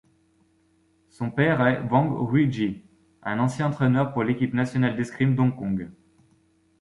Son père est Wang Ruiji, un ancien entraîneur pour l'équipe nationale d'escrime d'Hong Kong.